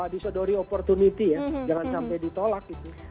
disodori opportunity ya jangan sampai ditolak gitu